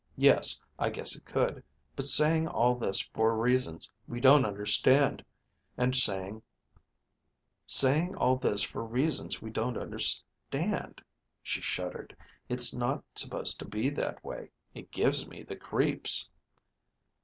"Yes, I guess it could. But saying all this for reasons we don't understand, and saying, 'Saying all this for reasons we don't understand....'" She shuddered. "It's not supposed to be that way. It gives me the creeps."